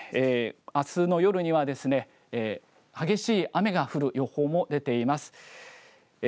あすの夜にはですね激しい雨が降る予報も出ています。